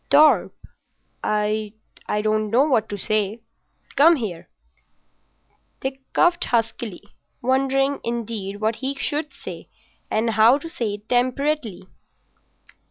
"Torp, I don't know what to say. Come here." Dick coughed huskily, wondering, indeed, what he should say, and how to say it temperately.